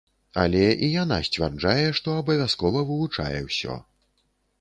Але і яна сцвярджае, што абавязкова вывучае ўсё.